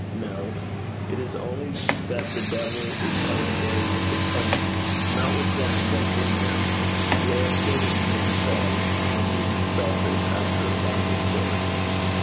No. It is only that the devil is playing a very wicked prank, not with them, but in them: they are pluming themselves on being selfish after a godly sort.